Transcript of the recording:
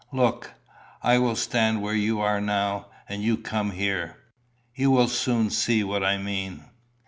Look; I will stand where you are now; and you come here. You will soon see what I mean."